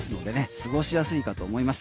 過ごしやすいかと思います